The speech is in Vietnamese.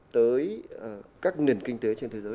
tới các nền kinh tế trên thế giới